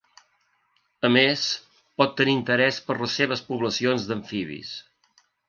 A més, pot tenir interès per les seves poblacions d'amfibis.